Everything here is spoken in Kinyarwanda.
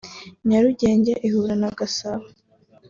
Nyarugenge ihure na Gasabo